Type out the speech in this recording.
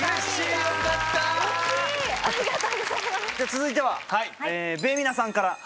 続いてはべーみなさんから。